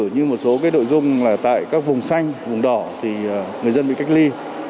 như một số đội dung tại các vùng xanh vùng đỏ thì người dân bị cách ly